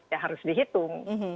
ya harus dihitung